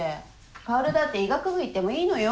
薫だって医学部行ってもいいのよ。